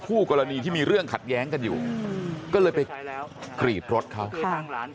คู่กรณีที่มีเรื่องขัดแย้งกันอยู่ก็เลยไปกรีดรถเขาข้างร้าน